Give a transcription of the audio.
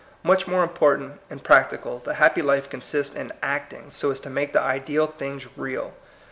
Much more important and prac tical, the happy life consists in acting so as to make the ideal things real.